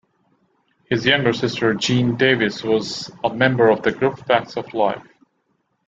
His younger sister, Jean Davis, was a member of the group, Facts of Life.